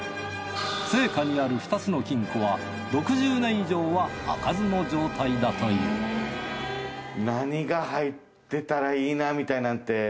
生家にある２つの金庫は６０年以上は開かずの状態だという何が入ってたらいいなみたいなって。